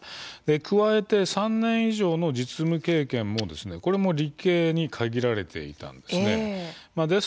加えて３年以上の実務経験もこれも理系に限られていたんです。